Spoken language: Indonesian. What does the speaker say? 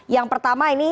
yang pertama ini